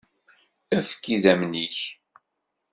Efk-idammen-ik.